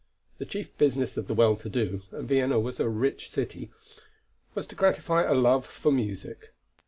The chief business of the well to do (and Vienna was a rich city), was to gratify a love for music.